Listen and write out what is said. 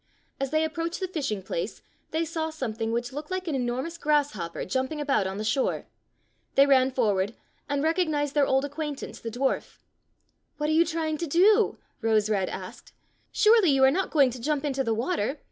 As they approached the fishing place they saw some thing which looked like an enormous grass hopper jumping about on the shore. They ran forward and recognized their old acquain tance, the dwarf. ''What are you trying to do?'^ Rose red asked. "Surely you are not going to jump into the water."